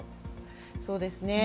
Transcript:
そうですね。